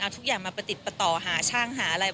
ทุกอย่างมาประติดประต่อหาช่างหาอะไร